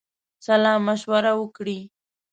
سالامشوره وکړي.